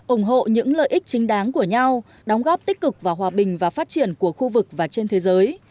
ủng hộ những lợi ích chính đáng của nhau đóng góp tích cực vào hòa bình và phát triển của khu vực và trên thế giới